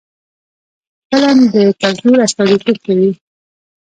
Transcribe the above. فلم د کلتور استازیتوب کوي